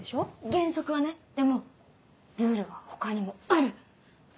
原則はねでもルールは他にもある！